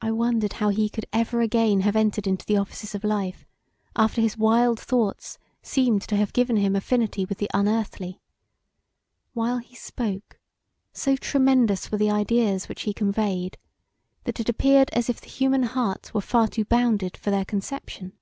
I wondered how he could ever again have entered into the offices of life after his wild thoughts seemed to have given him affinity with the unearthly; while he spoke so tremendous were the ideas which he conveyed that it appeared as if the human heart were far too bounded for their conception.